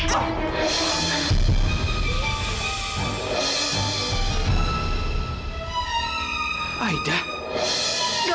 beri proyect bagi saya hanya